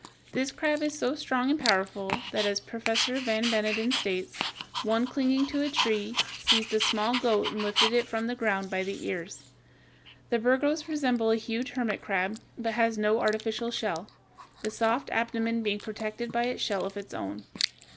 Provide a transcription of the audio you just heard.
This crab is so strong and powerful that, as Professor Van Beneden states, one clinging to a tree, seized a small goat and lifted it from the ground by the ears. The Birgos resembles a huge hermit crab, but has no artificial shell, the soft abdomen being protected by a shell of its own.